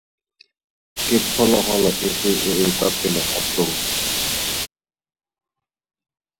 Ke phologolo efe e e kwa pele ga tlou?